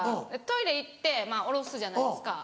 トイレ行って下ろすじゃないですか。